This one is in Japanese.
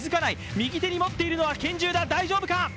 右手に持っているのは拳銃だ、大丈夫か！？